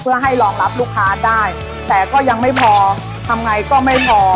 เพื่อให้รองรับลูกค้าได้แต่ก็ยังไม่พอทำไงก็ไม่พอ